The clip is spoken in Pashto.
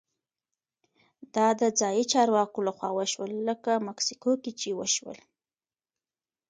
دا د ځايي چارواکو لخوا وشول لکه مکسیکو کې چې وشول.